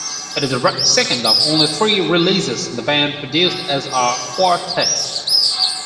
It is the second of only three releases the band produced as a quartet.